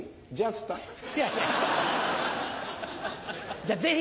じゃあぜひ！